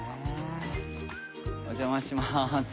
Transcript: お邪魔します。